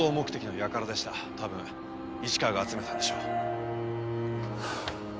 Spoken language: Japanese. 多分市川が集めたんでしょう。